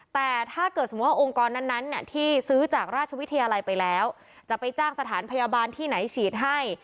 แต่ถ้าเกิดสมมุติว่าองค์กรนั้นที่ซื้อจากราชวิทยาลัยไปแล้วจะไปจ้างสถานพยาบาลที่ไหนฉีดให้